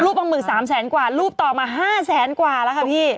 ปลาหมึก๓แสนกว่ารูปต่อมา๕แสนกว่าแล้วค่ะพี่